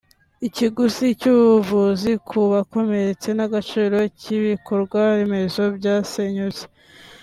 ikiguzi cy’ubuvuzi ku bakomeretse n’agaciro k’ibikorwaremezo byasenyutse